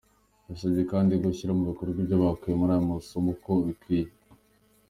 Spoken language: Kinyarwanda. Yabasabye kandi gushyira mu bikorwa ibyo bakuye muri aya masomo uko bikwiye.